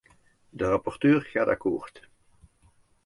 De rapporteur gaat akkoord.